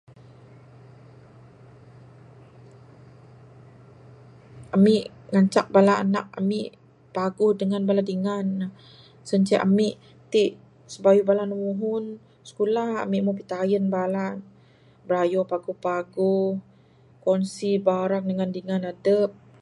Ami ngancak anak ami paguh dangan bala dingan ne sien ce ami ti sibayuh bala ne muhun sikulah ami meh pitayen bala ne birayo paguh paguh kongsi barang dangan dingan adep